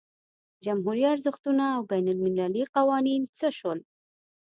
جمهوري ارزښتونه او بین المللي قوانین څه شول.